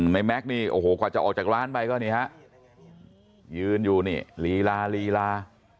แม็กซ์นี่โอ้โหกว่าจะออกจากร้านไปก็นี่ฮะยืนอยู่นี่ลีลาลีลา